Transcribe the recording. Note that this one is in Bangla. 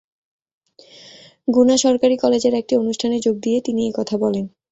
গুনা সরকারি কলেজের একটি অনুষ্ঠানে যোগ দিয়ে তিনি এ কথা বলেন।